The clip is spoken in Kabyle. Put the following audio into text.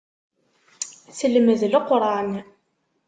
Telmed Leqran.